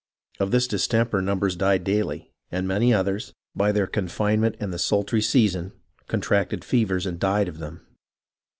... Of this distemper numbers died daily, and many others, by their confinement and the sultry season, contracted fevers and died of them.